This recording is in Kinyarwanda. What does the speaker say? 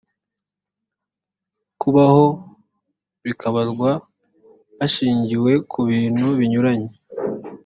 kubaho bikabarwa hashingiwe ku bintu binyuranye